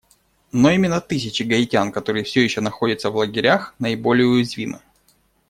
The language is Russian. Но именно тысячи гаитян, которые все еще находятся в лагерях, наиболее уязвимы.